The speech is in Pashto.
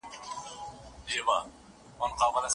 که ښوونکی انلاین پوښتني ومني، ناپوهي نه پاته کېږي.